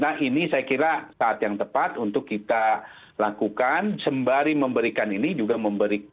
nah ini saya kira saat yang tepat untuk kita lakukan sembari memberikan ini juga memberikan